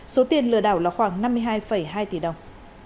số tiền lừa đảo là khoảng năm mươi hai hai tỷ đồng